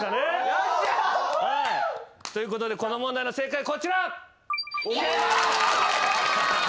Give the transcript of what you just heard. よっしゃ！ということでこの問題の正解こちら！